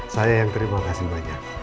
saya yang terima kasih banyak